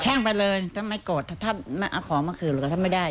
่งไปเลยถ้าไม่โกรธถ้าเอาของมาคืนเราก็ทำไม่ได้